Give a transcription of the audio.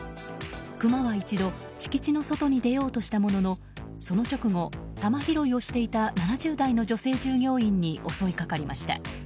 クマは一度敷地の外に出ようとしたもののその直後、球拾いをしていた７０代の女性従業員に襲いかかりました。